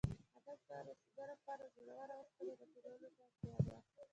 هدف ته رسېدو لپاره زړو اوسپنو را ټولولو ته اړتیا وه.